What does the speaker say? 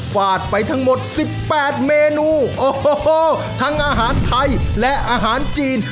ฟาดไปทั้งหมดสิบแปดเมนูโอ้โหทั้งอาหารไทยและอาหารจีน